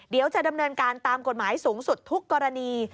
เดี๋ยวจะดำเนินการตามกฎหมายสูงสุดทุกกรณี